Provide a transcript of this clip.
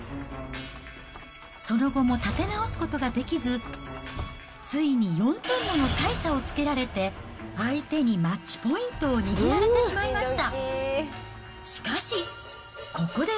その後も立て直すことができず、ついに４点もの大差をつけられて、相手にマッチポイントを握られてしまいました。